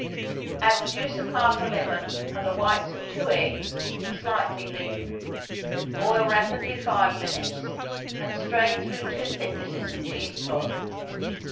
Add the juice of half a lemon and the whites of two eggs, slightly beaten. Boil rapidly five minutes, and strain through two thicknesses of cheese cloth.